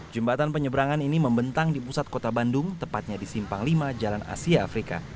jembatan penyeberangan ini membentang di pusat kota bandung tepatnya di simpang lima jalan asia afrika